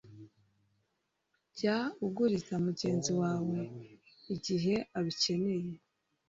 jya uguriza mugenzi wawe igihe abikeneye